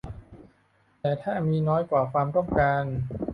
แต่ถ้ามีน้อยกว่าความต้องการ